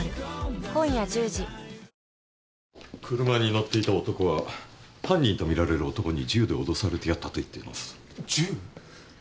車に乗っていた男は犯人とみられる男に銃で脅されてやったと言っています。